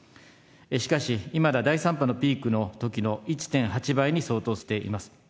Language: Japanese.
しかし、いまだ第３波のピークのときの１．８倍に相当しています。